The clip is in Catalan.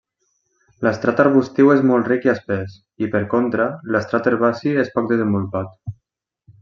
L'estrat arbustiu és molt ric i espès i, per contra, l'estrat herbaci és poc desenvolupat.